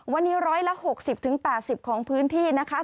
วันนี้๑๖๐๘๐ของพื้นที่นะคะ